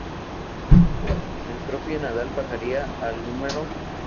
El propio Nadal bajaría al No.